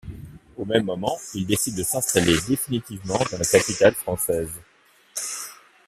Au même moment il décide de s’installer définitivement dans la capitale française.